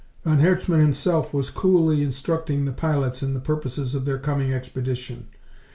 Von Herzmann himself was coolly instructing the pilots in the purposes of their coming expedition.